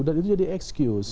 dan itu jadi excuse